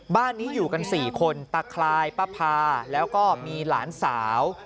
บ้านนี้อยู่กัน๔คนตาคลายป้าพาแล้วก็มีหลานสาว